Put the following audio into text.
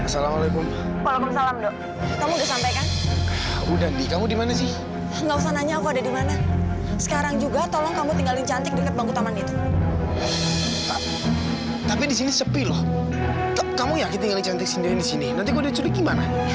hai assalamualaikum waalaikumsalam dok kamu udah sampai kan udah nih kamu dimana sih enggak usah nanya aku ada di mana sekarang juga tolong kamu tinggalin cantik dekat bangku taman itu tapi disini sepi loh kamu ya kita cantik sindirin disini nanti kode curig gimana